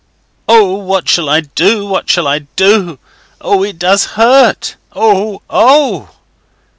'Oh, what shall I do? What shall I do? Oh, it does hurt! Oh, oh!